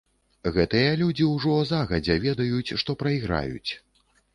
Гэтыя людзі ўжо загадзя ведаюць, што прайграюць.